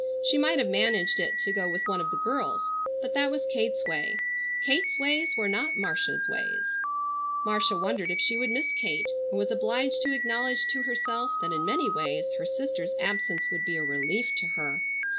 She might have managed it to go with one of the girls. But that was Kate's way. Kate's ways were not Marcia's ways. Marcia wondered if she would miss Kate, and was obliged to acknowledge to herself that in many ways her sister's absence would be a relief to her.